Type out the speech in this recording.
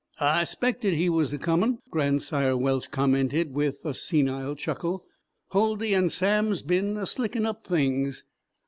"I 'spected he was a comin'," Grandsire Welsh commented, with a senile chuckle. "Huldy and Sam's been a slickin' up things."